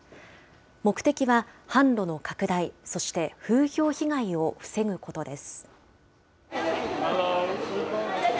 目的は販路の拡大、そして風評被害を防ぐことです。